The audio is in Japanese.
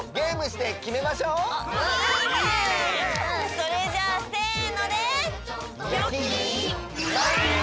それじゃあ「せの」で！